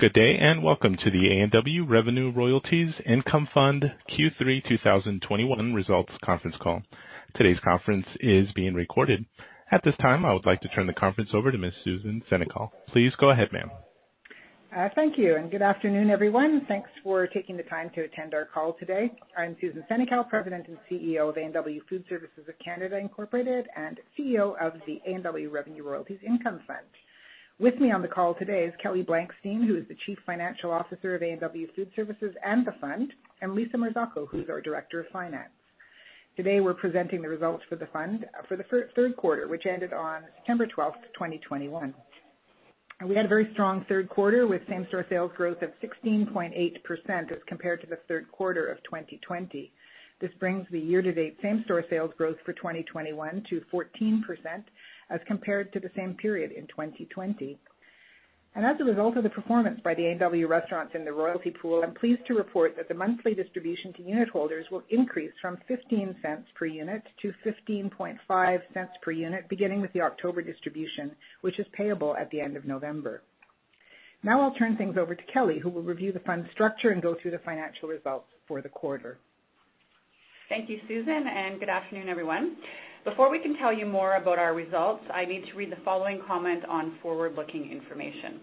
Good day, and welcome to the A&W Revenue Royalties Income Fund Q3 2021 results conference call. Today's conference is being recorded. At this time, I would like to turn the conference over to Ms. Susan Senecal. Please go ahead, ma'am. Thank you, and good afternoon, everyone. Thanks for taking the time to attend our call today. I'm Susan Senecal, President and CEO of A&W Food Services of Canada Inc., and CEO of the A&W Revenue Royalties Income Fund. With me on the call today is Kelly Blankstein, who is the Chief Financial Officer of A&W Food Services and the Fund, and Lisa Marzocco, who's our Director of Finance. Today, we're presenting the results for the Fund for the third quarter, which ended on September 12th, 2021. We had a very strong third quarter with same-store sales growth of 16.8% as compared to the third quarter of 2020. This brings the year-to-date same-store sales growth for 2021 to 14% as compared to the same period in 2020. As a result of the performance by the A&W Restaurants in the royalty pool, I'm pleased to report that the monthly distribution to unitholders will increase from 0.15 per unit to 0.155 per unit, beginning with the October distribution, which is payable at the end of November. Now I'll turn things over to Kelly, who will review the Fund's structure and go through the financial results for the quarter. Thank you, Susan, and good afternoon, everyone. Before we can tell you more about our results, I need to read the following comment on forward-looking information.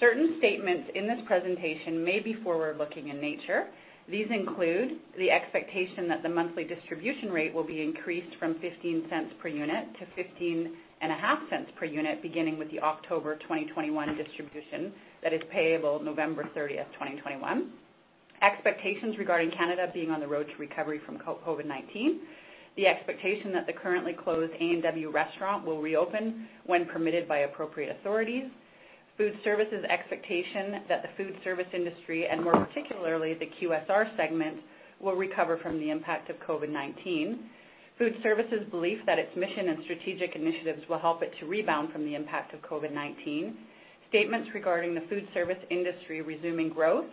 Certain statements in this presentation may be forward-looking in nature. These include the expectation that the monthly distribution rate will be increased from 0.15 per unit to 0.155 per unit, beginning with the October 2021 distribution that is payable November 30th, 2021. Expectations regarding Canada being on the road to recovery from COVID-19. The expectation that the currently closed A&W Restaurant will reopen when permitted by appropriate authorities. Food Services' expectation that the food service industry, and more particularly the QSR segment, will recover from the impact of COVID-19. Food Services' belief that its mission and strategic initiatives will help it to rebound from the impact of COVID-19. Statements regarding the food service industry resuming growth.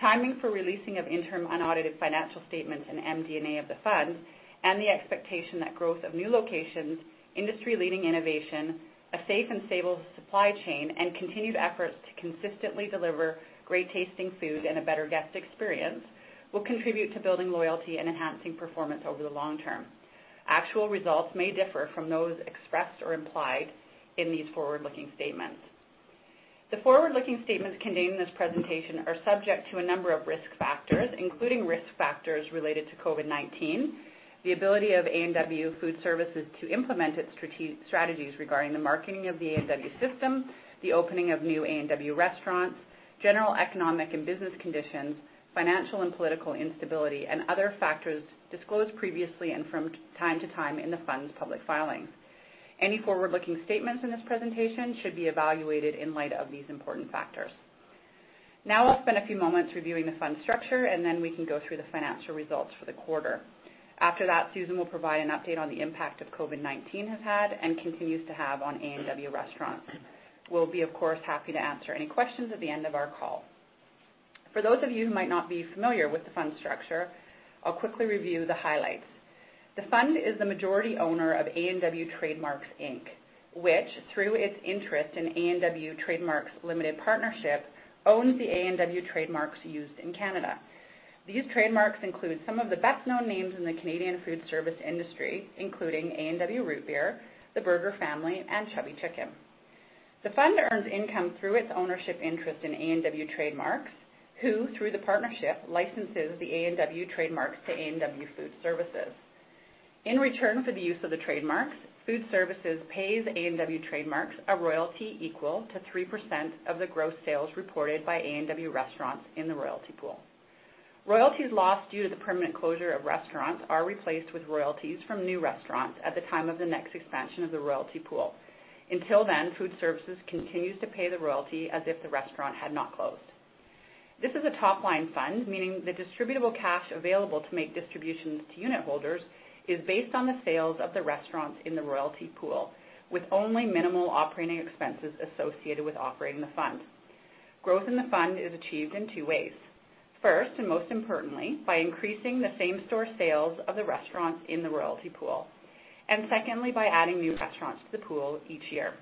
Timing for releasing of interim unaudited financial statements and MD&A of the Fund, and the expectation that growth of new locations, industry-leading innovation, a safe and stable supply chain, and continued efforts to consistently deliver great-tasting food and a better guest experience will contribute to building loyalty and enhancing performance over the long term. Actual results may differ from those expressed or implied in these forward-looking statements. The forward-looking statements contained in this presentation are subject to a number of risk factors, including risk factors related to COVID-19, the ability of A&W Food Services to implement its strategies regarding the marketing of the A&W system, the opening of new A&W restaurants, general economic and business conditions, financial and political instability, and other factors disclosed previously and from time to time in the Fund's public filings. Any forward-looking statements in this presentation should be evaluated in light of these important factors. I'll spend a few moments reviewing the Fund's structure, and then we can go through the financial results for the quarter. Susan will provide an update on the impact COVID-19 has had and continues to have on A&W Restaurants. We'll be, of course, happy to answer any questions at the end of our call. For those of you who might not be familiar with the Fund's structure, I'll quickly review the highlights. The Fund is the majority owner of A&W Trade Marks Inc., which, through its interest in A&W Trade Marks Limited Partnership, owns the A&W Trade Marks used in Canada. These Trade Marks include some of the best-known names in the Canadian food service industry, including A&W Root Beer, The Burger Family, and Chubby Chicken. The Fund earns income through its ownership interest in A&W Trade Marks, who, through the partnership, licenses the A&W Trade Marks to A&W Food Services. In return for the use of the Trade Marks, Food Services pays A&W Trade Marks a royalty equal to 3% of the gross sales reported by A&W restaurants in the royalty pool. Royalties lost due to the permanent closure of restaurants are replaced with royalties from new restaurants at the time of the next expansion of the royalty pool. Until then, Food Services continues to pay the royalty as if the restaurant had not closed. This is a top-line Fund, meaning the distributable cash available to make distributions to unitholders is based on the sales of the restaurants in the royalty pool, with only minimal operating expenses associated with operating the Fund. Growth in the Fund is achieved in two ways: first, and most importantly, by increasing the same-store sales of the restaurants in the royalty pool. Secondly, by adding new restaurants to the pool each year.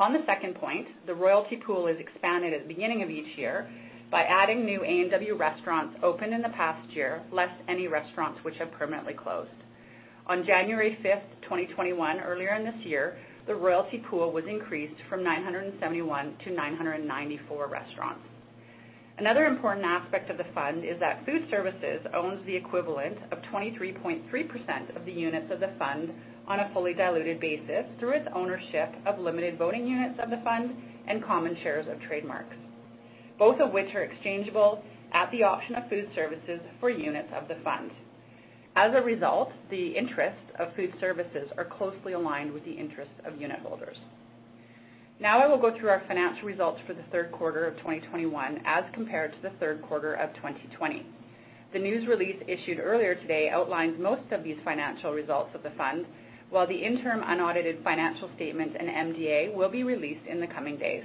On the second point, the royalty pool is expanded at the beginning of each year by adding new A&W restaurants opened in the past year, less any restaurants which have permanently closed. On January 5th, 2021, earlier in this year, the royalty pool was increased from 971 to 994 restaurants. Another important aspect of the Fund is that Food Services owns the equivalent of 23.3% of the units of the Fund on a fully diluted basis through its ownership of limited voting units of the Fund and common shares of Trade Marks, both of which are exchangeable at the option of Food Services for units of the Fund. As a result, the interests of Food Services are closely aligned with the interests of unitholders. Now I will go through our financial results for the third quarter of 2021 as compared to the third quarter of 2020. The news release issued earlier today outlines most of these financial results of the Fund, while the interim unaudited financial statements and MD&A will be released in the coming days.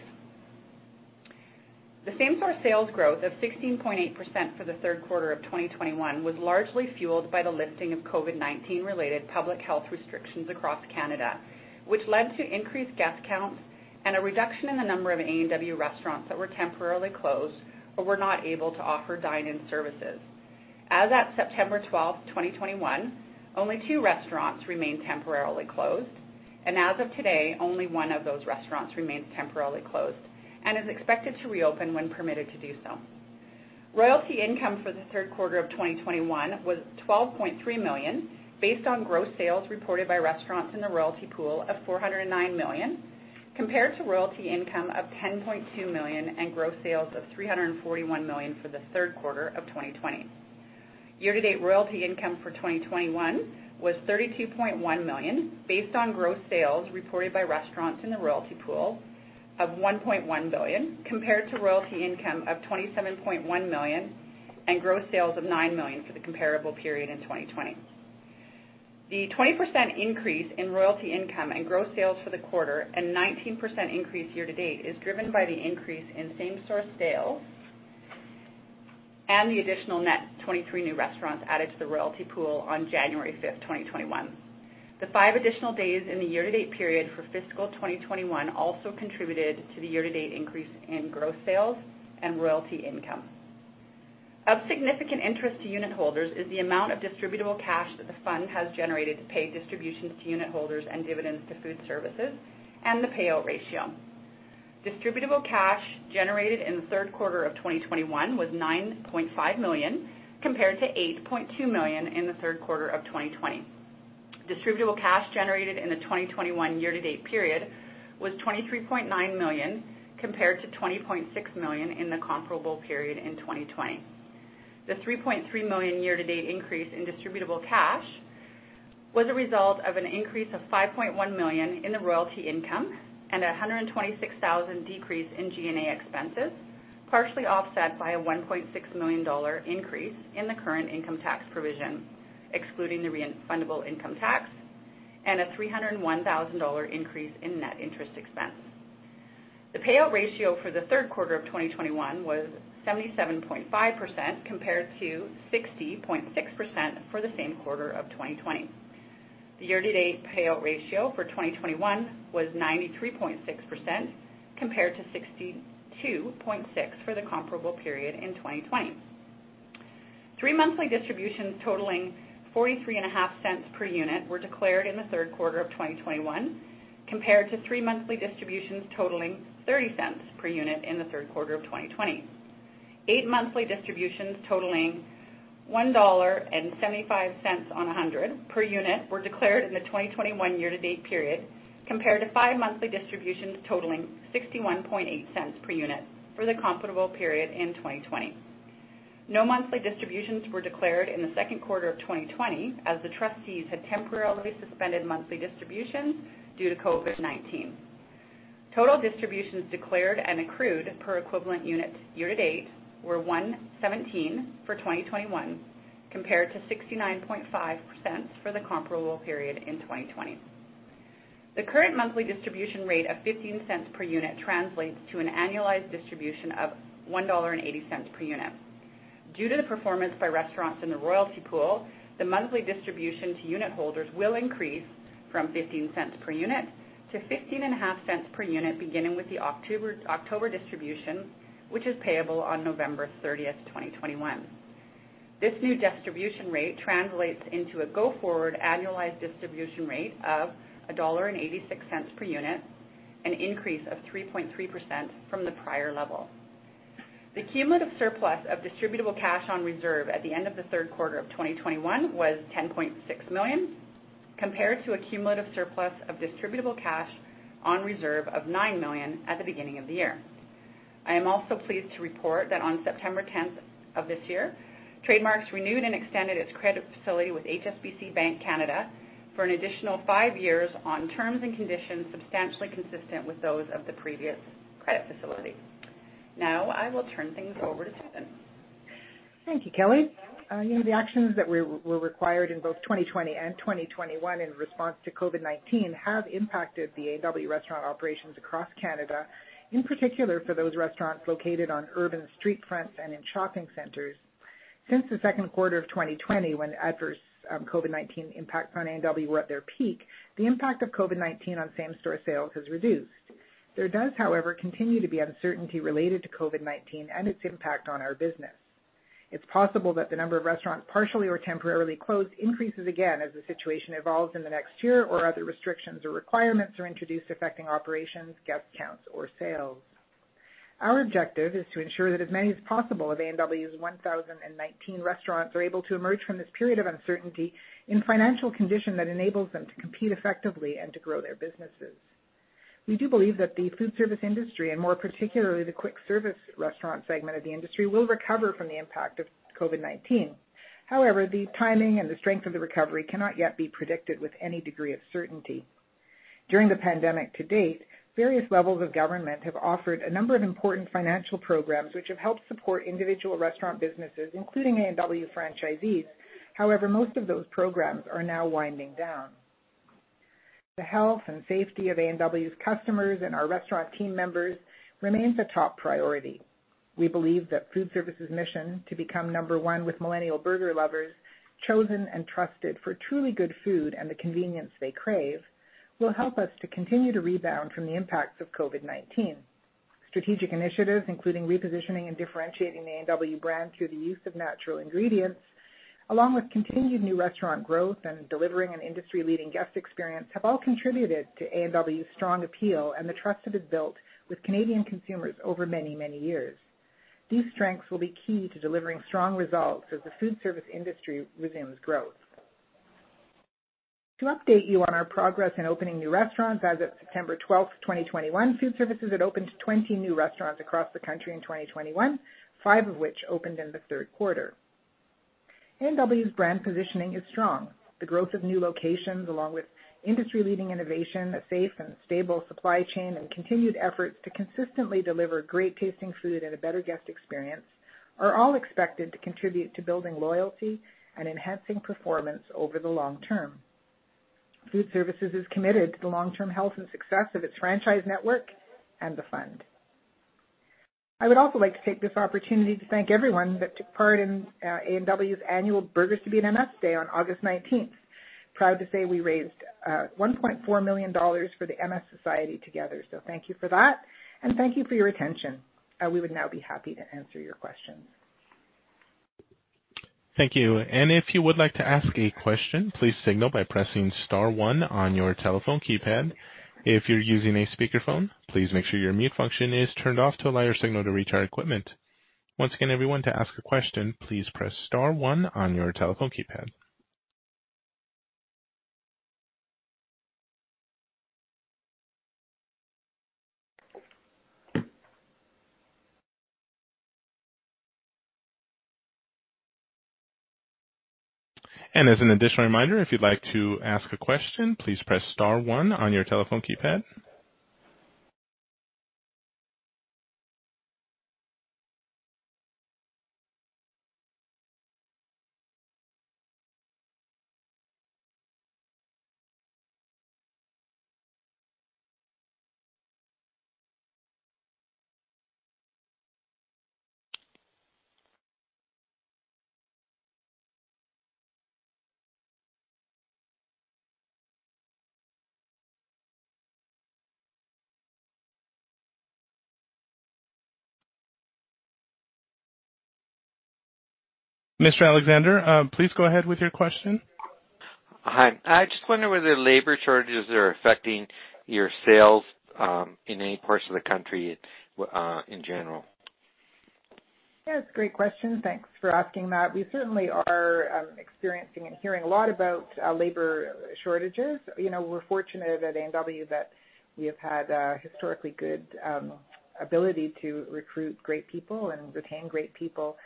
The same-store sales growth of 16.8% for the third quarter of 2021 was largely fueled by the lifting of COVID-19 related public health restrictions across Canada, which led to increased guest counts and a reduction in the number of A&W restaurants that were temporarily closed or were not able to offer dine-in services. As at September 12th, 2021, only two restaurants remain temporarily closed, and as of today, only one of those restaurants remains temporarily closed and is expected to reopen when permitted to do so. Royalty income for Q3 2021 was 12.3 million, based on gross sales reported by restaurants in the royalty pool of 409 million, compared to royalty income of 10.2 million and gross sales of 341 million for Q3 2020. Year-to-date royalty income for 2021 was 32.1 million, based on gross sales reported by restaurants in the royalty pool of 1.1 billion, compared to royalty income of 27.1 million and gross sales of 9 million for the comparable period in 2020. The 20% increase in royalty income and gross sales for the quarter, and 19% increase year-to-date, is driven by the increase in same-store sales and the additional net 23 new restaurants added to the royalty pool on January 5th, 2021. The five additional days in the year-to-date period for fiscal 2021 also contributed to the year-to-date increase in gross sales and royalty income. Of significant interest to unitholders is the amount of distributable cash that the fund has generated to pay distributions to unitholders and dividends to Food Services, and the payout ratio. Distributable cash generated in the third quarter of 2021 was 9.5 million, compared to 8.2 million in the third quarter of 2020. Distributable cash generated in the 2021 year-to-date period was CAD 23.9 million, compared to CAD 20.6 million in the comparable period in 2020. The CAD 3.3 million year-to-date increase in distributable cash was a result of an increase of CAD 5.1 million in the royalty income and CAD 126,000 decrease in G&A expenses, partially offset by a CAD 1.6 million increase in the current income tax provision, excluding the refundable income tax, and a 301,000 dollar increase in net interest expense. The payout ratio for the third quarter of 2021 was 77.5%, compared to 60.6% for the same quarter of 2020. The year-to-date payout ratio for 2021 was 93.6%, compared to 62.6% for the comparable period in 2020. Three monthly distributions totaling 0.435 per unit were declared in the third quarter of 2021, compared to three monthly distributions totaling 0.30 per unit in the third quarter of 2020. Eight monthly distributions totaling 1.75 dollar on 100 per unit were declared in the 2021 year-to-date period, compared to five monthly distributions totaling 0.618 per unit for the comparable period in 2020. No monthly distributions were declared in the second quarter of 2020, as the trustees had temporarily suspended monthly distributions due to COVID-19. Total distributions declared and accrued per equivalent unit year-to-date were 1.17 for 2021, compared to 69.5% for the comparable period in 2020. The current monthly distribution rate of 0.15 per unit translates to an annualized distribution of 1.80 dollar per unit. Due to the performance by restaurants in the royalty pool, the monthly distribution to unitholders will increase from 0.15 per unit to 0.1550 per unit, beginning with the October distribution, which is payable on November 30th, 2021. This new distribution rate translates into a go-forward annualized distribution rate of 1.86 dollar per unit, an increase of 3.3% from the prior level. The cumulative surplus of distributable cash on reserve at the end of Q3 2021 was 10.6 million, compared to a cumulative surplus of distributable cash on reserve of 9 million at the beginning of the year. I am also pleased to report that on September 10th of this year, Trade Marks renewed and extended its credit facility with HSBC Bank Canada for an additional five years on terms and conditions substantially consistent with those of the previous credit facility. Now, I will turn things over to Susan. Thank you, Kelly. The actions that were required in both 2020 and 2021 in response to COVID-19 have impacted the A&W restaurant operations across Canada, in particular for those restaurants located on urban street fronts and in shopping centers. Since the second quarter of 2020, when adverse COVID-19 impacts on A&W were at their peak, the impact of COVID-19 on same-store sales has reduced. There does, however, continue to be uncertainty related to COVID-19 and its impact on our business. It's possible that the number of restaurants partially or temporarily closed increases again as the situation evolves in the next year, or other restrictions or requirements are introduced affecting operations, guest counts, or sales. Our objective is to ensure that as many as possible of A&W's 1,019 restaurants are able to emerge from this period of uncertainty in financial condition that enables them to compete effectively and to grow their businesses. We do believe that the food service industry, and more particularly, the quick service restaurant segment of the industry, will recover from the impact of COVID-19. However, the timing and the strength of the recovery cannot yet be predicted with any degree of certainty. During the pandemic to date, various levels of government have offered a number of important financial programs which have helped support individual restaurant businesses, including A&W franchisees. However, most of those programs are now winding down. The health and safety of A&W's customers and our restaurant team members remains a top priority. We believe that Food Services' mission to become number one with millennial burger lovers, chosen and trusted for truly good food and the convenience they crave, will help us to continue to rebound from the impacts of COVID-19. Strategic initiatives, including repositioning and differentiating the A&W brand through the use of natural ingredients, along with continued new restaurant growth and delivering an industry-leading guest experience, have all contributed to A&W's strong appeal and the trust it has built with Canadian consumers over many, many years. These strengths will be key to delivering strong results as the food service industry resumes growth. To update you on our progress in opening new restaurants, as of September 12th, 2021, Food Services had opened 20 new restaurants across the country in 2021, five of which opened in the third quarter. A&W's brand positioning is strong. The growth of new locations, along with industry-leading innovation, a safe and stable supply chain, and continued efforts to consistently deliver great-tasting food and a better guest experience, are all expected to contribute to building loyalty and enhancing performance over the long term. Food Services is committed to the long-term health and success of its franchise network and the fund. I would also like to take this opportunity to thank everyone that took part in A&W's annual Burgers to Beat MS Day on August 19th. Proud to say we raised 1.4 million dollars for the MS Society together, so thank you for that, and thank you for your attention. We would now be happy to answer your questions. Thank you. If you would like to ask a question, please signal by pressing star one on your telephone keypad. If you're using a speakerphone, please make sure your mute function is turned off to allow your signal to reach our equipment. Once again, everyone, to ask a question, please press star one on your telephone keypad. As an additional reminder, if you'd like to ask a question, please press star one on your telephone keypad. Mr. Alexander, please go ahead with your question. Hi. I just wonder whether labor shortages are affecting your sales in any parts of the country in general. Yeah, that's a great question. Thanks for asking that. We certainly are experiencing and hearing a lot about labor shortages. We're fortunate at A&W that we have had a historically good ability to recruit great people and retain great people.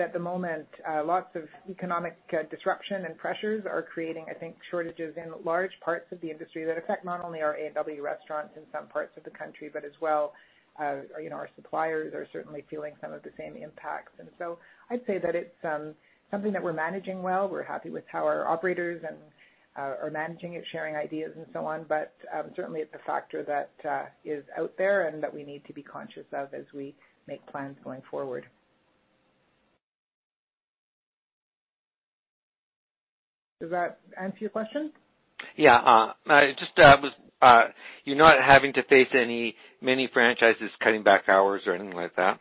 At the moment, lots of economic disruption and pressures are creating, I think, shortages in large parts of the industry that affect not only our A&W restaurants in some parts of the country, but as well, our suppliers are certainly feeling some of the same impacts. I'd say that it's something that we're managing well. We're happy with how our operators are managing it, sharing ideas, and so on. Certainly, it's a factor that is out there and that we need to be conscious of as we make plans going forward. Does that answer your question? Yeah. You're not having to face any many franchises cutting back hours or anything like that?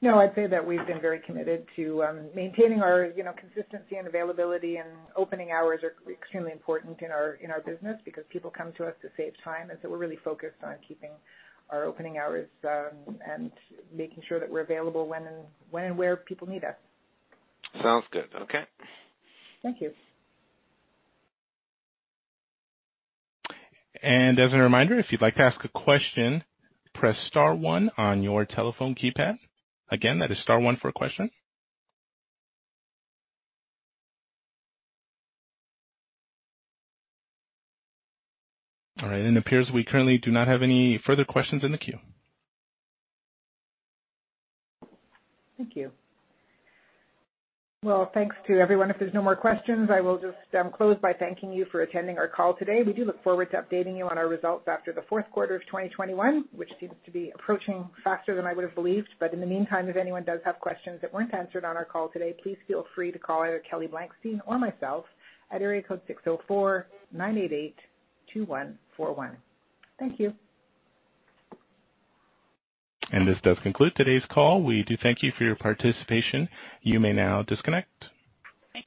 No, I'd say that we've been very committed to maintaining our consistency and availability. Opening hours are extremely important in our business because people come to us to save time. We're really focused on keeping our opening hours and making sure that we're available when and where people need us. Sounds good. Okay. Thank you. As a reminder, if you'd like to ask a question, press star one on your telephone keypad. Again, that is star one for a question. All right, it appears we currently do not have any further questions in the queue. Thank you. Well, thanks to everyone. If there's no more questions, I will just close by thanking you for attending our call today. We do look forward to updating you on our results after the fourth quarter of 2021, which seems to be approaching faster than I would've believed. In the meantime, if anyone does have questions that weren't answered on our call today, please feel free to call either Kelly Blankstein or myself at 604-988-2141. Thank you. This does conclude today's call. We do thank you for your participation. You may now disconnect. Thank you.